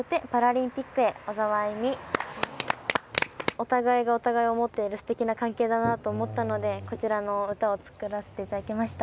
お互いがお互いを思っているすてきな関係だなと思ったのでこちらの歌を作らせて頂きました。